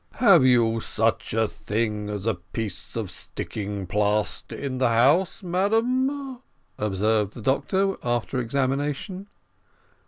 "Have you such a thing as a piece of sticking plaster in the house, madam?" observed the doctor, after examination.